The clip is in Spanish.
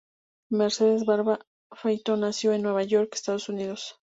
Mercedes Barba Feito nació en Nueva York, Estados Unidos.